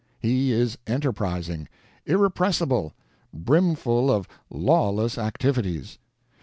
He is enterprising, irrepressible, brimful of lawless activities.